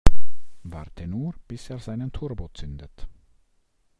Warte nur, bis er seinen Turbo zündet!